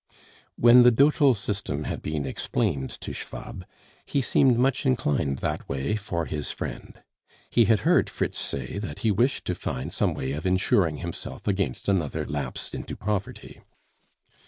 When the dotal system had been explained to Schwab, he seemed much inclined that way for his friend. He had heard Fritz say that he wished to find some way of insuring himself against another lapse into poverty.